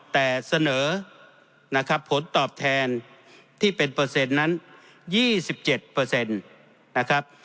แต่เสนอนะครับผลตอบแทนที่เป็นเปอร์เซ็นต์นั้นยี่สิบเจ็ดเปอร์เซ็นต์นะครับ